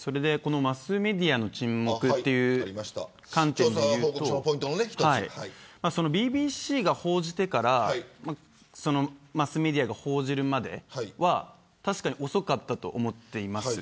マスメディアの沈黙という観点で言うとＢＢＣが報じてからマスメディアが報じるまでは確かに遅かったと思っています。